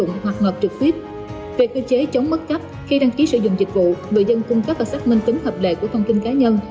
người dân cung cấp và xác minh tính hợp đề của thông tin cá nhân